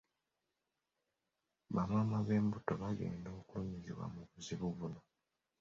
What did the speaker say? Bamaama b'embuto be bagenda okulumizibwa mu buzibu buno.